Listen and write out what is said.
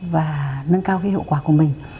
và nâng cao cái hậu quả của mình